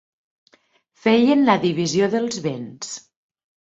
Feien la divisió dels béns.